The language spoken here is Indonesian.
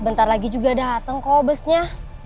bentar lagi juga datang kok busnya